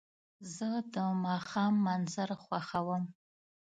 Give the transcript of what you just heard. زه د ماښام منظر خوښوم.